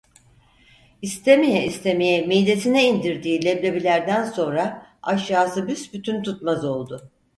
İstemeye istemeye midesine indirdiği leblebilerden sonra aşağısı büsbütün tutmaz oldu.